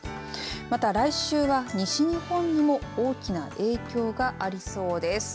また来週は西日本にも大きな影響がありそうです。